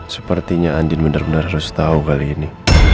sepertinya andien bener bener harus tau kali ini